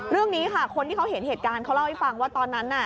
เรื่องนี้ค่ะคนที่เขาเห็นเหตุการณ์เขาเล่าให้ฟังว่าตอนนั้นน่ะ